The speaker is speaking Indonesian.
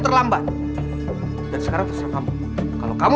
kenapa dia terus terus menerasaku